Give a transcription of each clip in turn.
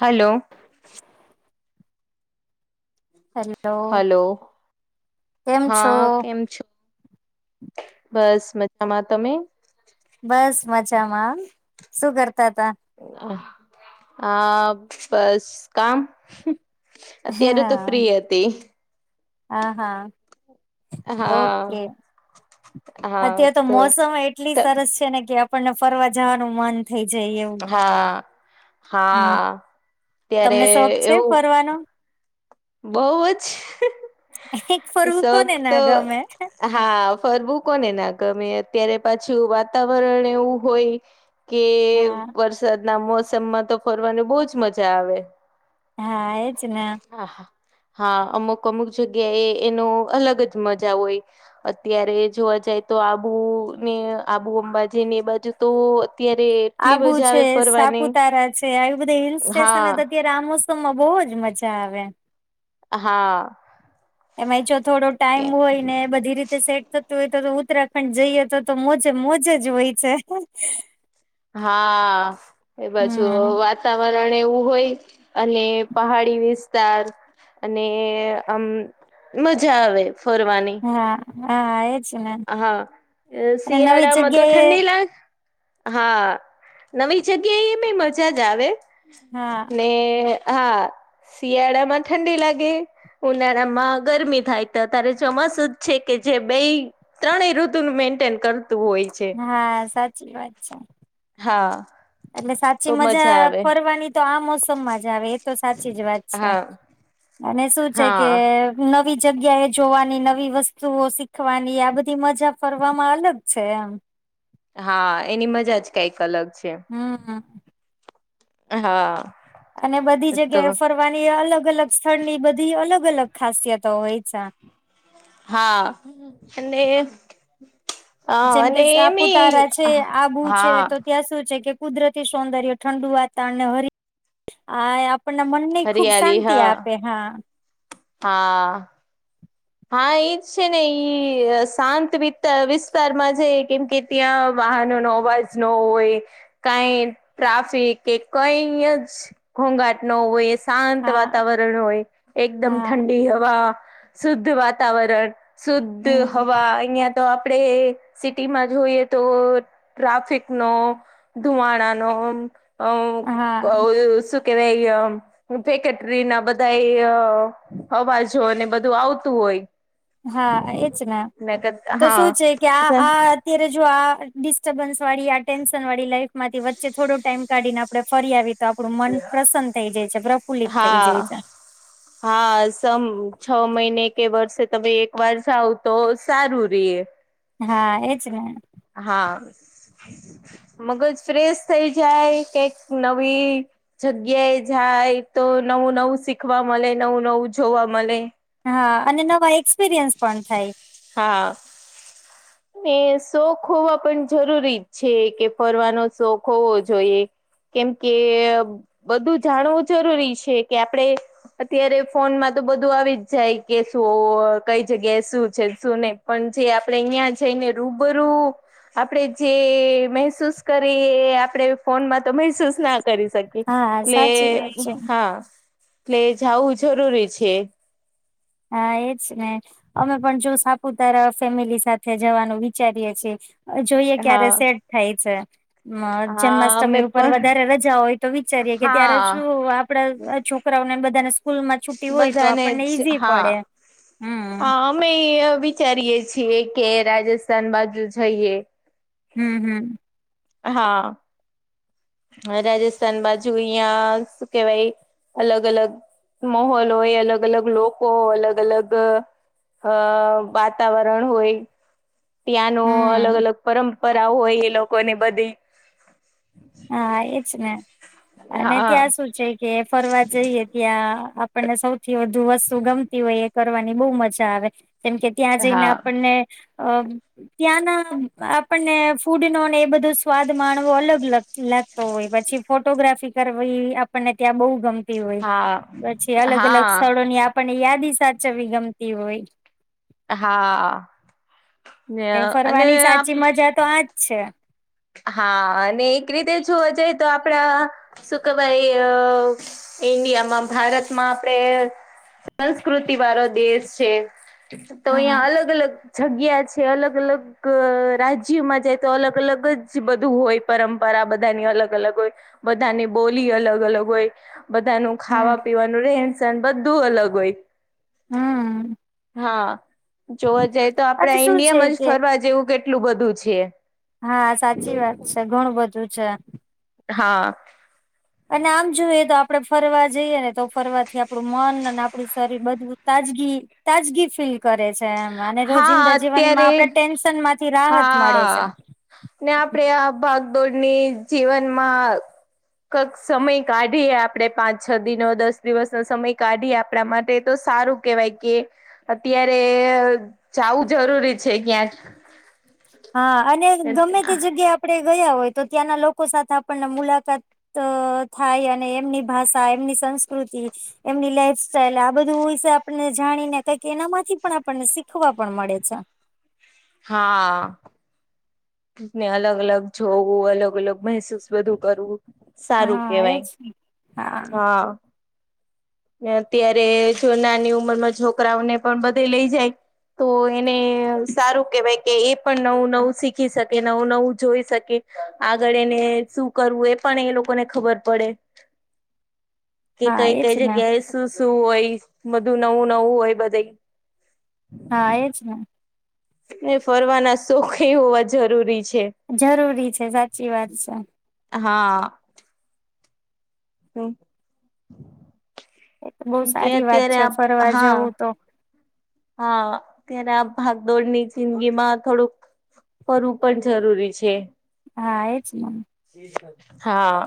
Hello. હલ hello, કેમ છો હા કેમ છો? બસ મજામાં. તમે? બસ મજામાંમ. શું કરતા તા? હ હા બસ કામ. અત્યારે તો હા ફ્રી હતી. હા હા હા ઓકે. અત્યારે તો મોસમ એટલી સરસ છે ને કે આપણને ફરવા જવાનું મન થઈ જાય એવું હા હમ્મ. હા. ત્યારે તમને શોખ છે ફરવાનો? બહુઅજ. એક ફરવું કોને ના ગમે. હા, ફરવું કોને ના ગમે અત્યારે પાછું વાતાવરણ એવું હોય કે હા વરસાદના મોસમમાં તો ફરવાની બહજ મજા આવે. હા એજ ના હા હા હા અમુક અમુક જગ્યા એ એનો અલગ જ મજા હોય છે. અત્યારે જોવા જાય તો આબુને આબુ અંબાજી ને એ બાજુ તો અત્યારે એટલી આબુ મજા છે આવે ફરવાની સાપુતારા છે આવી બધા હિલ હા સ્ટેશનત્યારે આ મોસમમાં બહુ જ મજા આવે. હા એમાં જો થોડો ટાઈમ હોય ને બધી રીતે સેટ થતું હોય તો ઉત્તરાખંડ જઈએ તો તો મોજે મોજેજ હોય છે. હા એ બાજુ હમ વાત વાતાવરણ એવું હોય અને પહાડી વિસ્તાર અને આમ મજા આવે ફરવાની. હા હા ને હા અને નવી શિયાળા મધ જગ્યાએ ઠંડી લાગ હા નવી જગ્યા એ એ ભ મજા જ આવે હા ને હા શિયાળા માં ઠંડી લાગે. ઉનાળા માં ગરમી થાય તો અત્યારે ચોમાસું જ છે કે જે બેય ત્રણેય ઋતુનું મેન્ટેન કરતું હોય. છે હા સાચી વાત છે. હા! એટલે સાચી તો મજા આવે ફરવાની તો આ મોસમમાં જ આવે એ તો સાચી જ વાત છે. હા અનેને શું છે કે હા નવી જગ્યા એ જોવાની નવી વસ્તુઓ શીખવાની આ બધી મજા ફરવામાં અલગ છે એમ હા એની મજા જ કઈક અલગ છે. હમ [unintelligible] હા! અને બધી તો જગ્યાએ ફર વાની અલગ અલગ સ્થળ ની બધી અલગ અલગ ખાસિતો હોય છે. હા અને હ જેમ કે અને સાપુતારા એમી છે આબુ છે હા તો ત્યાં શું છે કે કુદરતી સૌંદર્ય ઠંડુ વાતાવરણ ને હરી આ પણ મનને ખુબ હરિયાલી શાંતિ હા આપે હા હા! હા એજ છે ને ઈ શાંત વિ વિસ્તારમાં છે કેમ કે ત્યાં વાહનો નો અવાજ ન હોય. કઈ ટ્રાફિક કે કઈ જ ઘોંઘાટ ન હોય શાંત હા વાતાવરણ હોય એકદમ હા ઠંડી હવા શુદ્ધ વાતાવરણ શુદ્ધ હમ હવા અહિયાંયા તો આપણેે સિટીમાં જોઈએ તો ટ્રાફિકનો ધુવાણા નો અ હા વાય ફેકેટરી ના બધા અવાજો બ બું આવતું હોય હા એજ ને મેં કીધું તો શું છે કે આ હા આ અત્યારે જો આ ડિસ્ટર્બન્સ વાળી આ ટેન્શન વાળી લાઈફ થી વચ્ચે થોડો ટાઈમ કાઢીને આપણે ફરી આવી. તો આપણું મન પ્રસન્ન થઈ જાય છે પ્રફુલ્લિત થઈ જાય હા છે. હા સમ છ મહિને કે વર્ષે તમે એક વાર જાઓ તો સારું રે હા એજ ને હા, મગજ ફ્રેશ થઇ જાય કઈક નવી જગ્યાએ જાય તો નવું નવું શીખવા મળે નવું નવું જોવા મળે હા અને નવા એક્સપિરિયન્સ પણ થાય. હા. ને શોખ હોવા પણ જરૂરી છે કે ફરવાનો શોખ હોવો જોઈએ. કેમ કે બધું જાણવું જરૂરી છે કે આપડે અત્યારે ફોન માં તો બધું આવી જ જાય કે શું કઈ જગ્યાએ શું છે. શું નહી પણ જે આપડે અહિયાં જઈને રૂબરૂું આપડણે જે મહેસૂસ કરી એ આપણેે ફોનમાં તો મહેસૂસ ના કરી શકીએ. હા એટલે સાચી વાત છે હા એટલે જવું જરૂરી છે. હા એજ ને. અમે પણ જો સાપુતારા ફેમિલી સાથે જવાનું વિચારીએ છીએ. જોઈએ ક્યારે હા. સેટ થાય છે. હા અમે જન્માષ્ટમી ઉપર પણ વધારે રજા હોય તો વિચારીએે કે ત્યારે હા શું આપ છોકરાઓને બધાને સ્કૂલ માં છુ્ટટી હોય તો બધાને આપણને જ ઈઝી હા પડે હ. હમ અમે વિચારીએે છીએ કે રાજસ્થાન બાજુ જઈએ. હમ હમ. હા. રાજસ્થાન બાજુ અહિયાં શું કેવાય અલગ અલગ મહહોલ હો એ અલગ અલગ લોકો અલગ અલગ અ વાતાવરણ હોય. ત્યાં ન અલગ હમ અલગ પરંપરા હોય એ લોકોને બધી. હા એજ ને, અને હા ત્યાં સુું છે કે ફરવા જઈએ ત્યાં આપણને સૌથી વધુ વસ્તુ ગમતી હોય એ કરવાની બહુ મજા આવે. ત [unintelligible] ત્યાં જઈને હા આપણને, અ ત્યાંના આપણને ફૂડ ન એ બધું બ સ્વાદ માણવો અલગ લાગતો હોય પછી ફોટોગ્રાફી કરવી આપણને ત્યાં બહુ ગમતી હોય, પછી હા અલગ અલગ હા સ્થળો ની આપણને યાદી સાચવવી ગમતી હોય. હા. એ અને ફરવાની આપ સાચી મજા તો આજ છે. હા અને એક રીતે જોવા જઈએ તો આપડા, શું કેવાય. ઈન્ડિયામાં ભારતમાં આપડે સંસ્કૃતિ વાળો દેશ છે. તો હમ યાં અલગ અલગ જગ્યા છે અલગ અલગ રાજ્યોમાં જાય તો અલગ અલગ જ બધું હોય પરંપરા બધાની અલગ અલગ હોય, બધાની બોલી અલગ અલગ હોય. બધાનું હમ ખાવા પીવાનું રહેન સહન બધું અલગ હોય. હમ. હા, જોવા જઈ તો અને આપડાે શું છે ઈન્ડિયામાં જ કે ફરવા જેવું કેટલું બધું છે. હા સાચી વાત છે ઘણું બધું છે. હા. અને આમ જોઈએ તો આપડે ફરવા જઈએ ને તો ફરવાથી આપડું આપું મન અને આપડું શરીર બધું તાજગી તાજગી ફીલ કરે છે. એ અને હા રોજિંદા જીવનમાં અત્યારે આપણે ટેન્શન માં હા ને આપડે આ ભાગદોડની જીવનમાં કક સમય કાઢીએ આપડણે પાંચ છ દિનો દસ દિવસનો સમય કાઢીએ આપણા માટે તો સારું. કેવાય કે, અત્યારે જવું જરૂરી છે ક્યાંક. હા અને ગમે તે જગ્યા આપણે ગયા હોય તો ત્યાંના લોકો સાથે આપણને મુલાકાત અ થાય અને એમની ભાષા એમની સંસ્કૃતિ એમની લાઈફ સ્ટાઈલ આ બધું વિશે આપણને જાણીને કક એના માંથી પણ આપણને શીખવા પણ મળે છે. હા. ને અલગ અલગ જોવું અલગ અલગ મહેસૂસ બધું કરવું. સારું હા એજ કેવાય, હા. અત્યારે જો નાની ઉંમર માં છોકરાઓને પણ બધે લઇ જાય. તો એને સારું કેહેવાય કે એ પણ નવું નવું શીખ શીખી શકે નવું નવું જોઈ શકે આગળ એને શું કરવું એ પણ એ લોકોને ખબર પડે. કે હા કઈ એજ કઈ ને જગ્યાએ શું શું હોય બધું નવું નવું હોય બધે હા એ જ ને ને ફરવાના શોક ઈ હોવા જરૂરી છે. જરૂરી છે સાચી વાત છે. હા. પ. એ તો બહુ કે સારી વાત અત્યારે છે આ ફરવા હા જવું તો હા ત્યારે આ ભાગદોડની જિંદગી માં થોડુંક ફરવું પણ જરૂરી છે. હા એ જ નન હા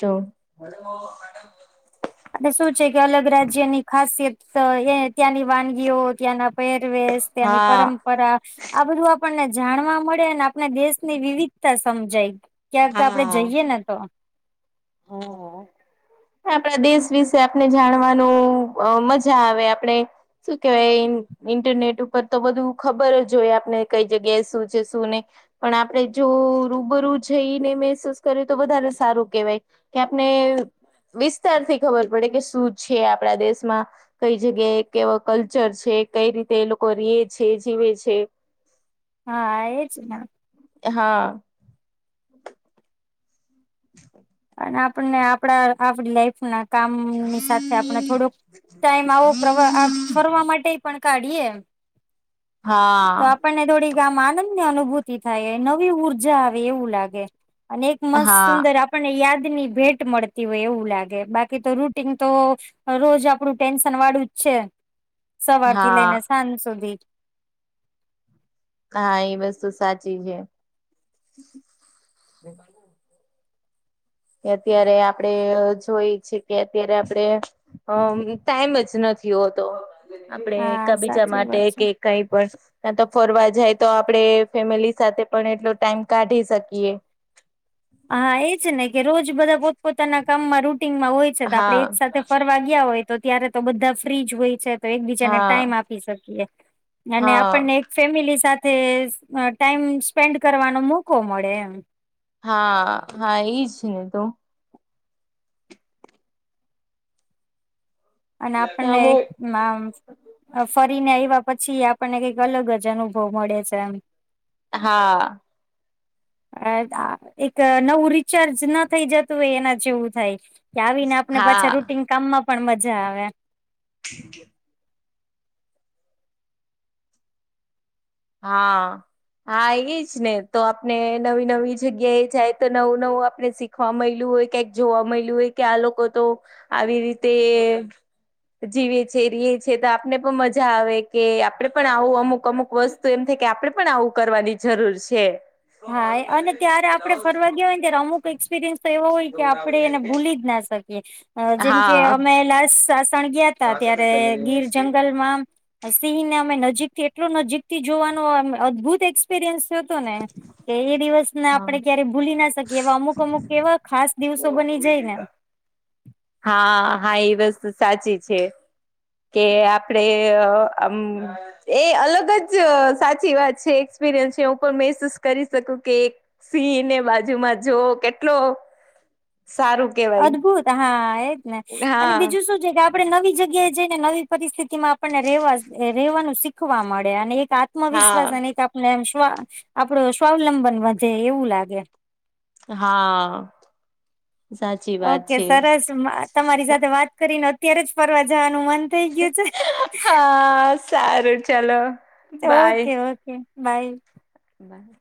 જો અને શું છે કે અલગ રાજ્યની ખાસિયત એ ત્યાંની વાનગીઓ ત્યાંના પેરવેસ ત્યાં ની હા પરમ્ પરા આ બધું આપણને જાણવા મળે અને આપણે દેશની વિવિધતા સમજાઈ. ક્યાંક આપડે જઈએ ને તો હા. આપણા દેશ વિશે આપને જાણવાનું મજા આવે આપણે. શું કેવાય એમ ઇન્ટરનેટ ઉપર તો બધું ખબર જ હોય આપને કઈ જગ્યાએ શું છે શું નહીં. પણ આપડે જો રૂબરૂ જઈને મહેસૂસ કરએ તો બધારે સારું કેવાય. કે આપને વિસ્તારથી ખબર પડે કે શું છે આપણા દેશમાં. કઈ જગ્યાએ કેવો કલ્ચર છે કઈ રીતે એ લોકો રીએ છે જીવે છે. [inaudible] હા એજ ના હા. હ. હ. અને આપણને આપડા આપડી લાઈફ ના કામની સાથે આપણે થોડુંક ટાઈમ આવો પ્રવા આ ફરવા માટે પણ કાઢીએ તો હા. આપણને થોડીક આમ આનંદની અનુભૂતિ થાય નવી ઊર્જા આવે એવું લાગે. અનેક મસ્ત હા સુંદર અ આપને યાદ ની ભેટ મળતી હોય એવું લાગે બાકી તો રૂટીન તો રોજ આપડું ટેન્શન વાળું જ છે, સવાર થી હા લઈને સાંજ સુધી. હા એ વસ્તુ સાચી છે. કે અત્યારે આપડે જોઈ છેએ કે અત્યારે આપડે. અમ ટાઈમ જ નથી હોતો આપડે હા એકબીજા સાચી માટે વાત છે. કે કઈ પણ ના તો ફરવા જાય તો આપડે ફેમિલી સાથે પણ એટલો ટાઈમ કાઢી શકીએ. હા એ છે ને કે રોજ બધા પોતપોતાના કામમાં રૂટીનમાં હોય. આપડે હા એક સાથે ફરવા ગયા હોય તો ત્યારે તો બધા ફ્રી જ હોય છે. તો એકબીજાને હા ટાઈમ આપી શકીએ અને હા આપણને ફેમિલી સાથે અ ટાઈમ સ્પેન્ડ કરવાનો મોકો મળે એમ. હા હા ઈજ ને તો. અને આપણને એક અમુક નામ અ ફરીને આવ્યા પછી આપણને કંઈક અલગ જ અનુભવ મળે છે એમ. હા અ આ એક નવું રિચાર્જ ના થઈ જતું હોય એના જેવું થાય. કે આવીને આપને હા પાછા રૂટીન કામમાં પણ મજા આવે. ક હા હા ઈજ ને તો આપને નવી નવી જગ્યાએ જાય તો નવું નવું આપને શીખ ખવા મલ્યું હોય, ક્યાંક જોવા મલ્યું હોય કે આ લોકો તો આવી રીતે જીવે છીએ, રીએ છે તો આપને પણ મજા આવે કે આપડે પણ આવું અમુક અમુક વસ્ તુ એમ થાય કે આપણે પણ આવું કરવાની જરૂર છે. હા એ અને ત્યારે આપડે ફરવા ગયા હોય ને ત્યારે અમુક કંઈક એક્સપિરિયન્સ તો એવો હોય કે આપણે એને ભૂલી જ ના શકીએ. અ જેમ કે હા અમે લાસ સાસણ ગયાતા ત્યારે ગીર જંગલમાં સિંહને અમે નજીકથી એટલો નજીકથી જોવાનો આમ અદભુત એક્સપિરિયન્સ હતો ને. કે એ દિવસને આપણે ક્યારે ભૂલી ના શકીએ એવા અમુક અમુક એવા ખાસ દિવસો બની જાય ને. હા હા એ વસ્તુ સાચી છે. કે આપડે આમ એ અલગ જ સાચી વાત છે એક્સપિરિયન્સ છે હું પણ મહેસૂસ કરી શકું કે સિંહને બાજુમાં જોવો કેટલો સારું. કેવાય અદભુત હા એજ ને અને હા બીજું શું છે કે આપણે નવી જગ્યાએ જઈને નવી પરિસ્થિતિમાં આપણને રેવા રેવાનું શીખવા મળે અને એક આત્મ આત્મવિશ્વાસ હા અને એક આપને આમ સ્વા આપડો સ્વાવલંબન વધે એવું લાગે. હા સાચી વાત ઓકે છે સરસ માં તમારી સાથે વાત કરીને અત્યારે જ ફરવા જાવાનું મન થઈ ગયું છે. હા સારું ચલો. Okay okay bye. બાય.